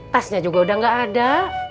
tasnya juga udah gak ada